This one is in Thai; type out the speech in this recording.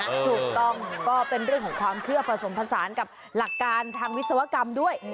ถูกต้องก็เป็นเรื่องของความเชื่อผสมผสานกับหลักการทางวิศวกรรมด้วย